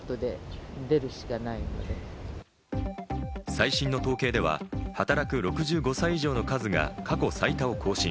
最新の統計では、働く６５歳以上の数が過去最多を更新。